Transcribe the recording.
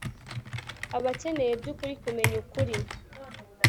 Abakeneye byukuri kumenya ukuri